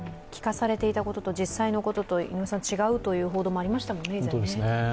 聞かされていたことと実際のことと違うという報道もありましたもんね。